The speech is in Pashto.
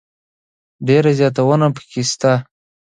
ډېر زياتونه پکښي سته.